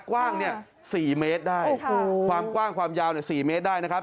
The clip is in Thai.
กว้างเนี่ย๔เมตรได้ความกว้างความยาว๔เมตรได้นะครับ